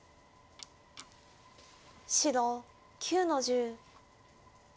白９の十。